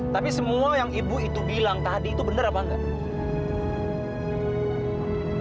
tapi semua yang ibu itu bilang tadi itu benar apa enggak